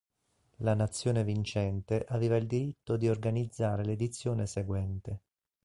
La nazione vincente aveva il diritto di organizzare l'edizione seguente.